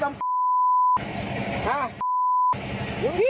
อย่าไปดูพี่